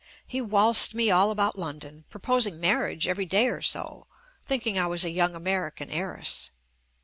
He waltzed me all about London, proposing marriage every day or so, thinking I was a young American heiress.